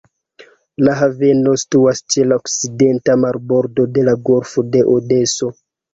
La haveno situas ĉe la okcidenta marbordo de la golfo de Odeso.